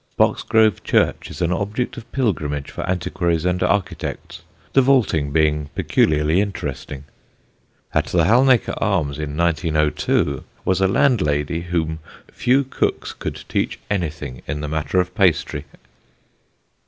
Boxgrove church is an object of pilgrimage for antiquaries and architects, the vaulting being peculiarly interesting. At the Halnaker Arms in 1902 was a landlady whom few cooks could teach anything in the matter of pastry.